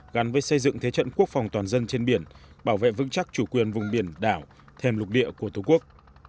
gắn với xây dựng thế trận quốc phòng toàn dân trên biển bảo vệ vững chắc chủ quyền vùng biển đảo thêm lục địa của tổ quốc